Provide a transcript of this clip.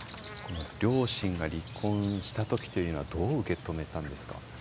両親が離婚した時というのはどう受け止めたんですか？